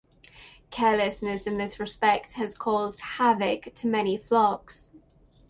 Carelessness in this respect has caused havoc to many flocks.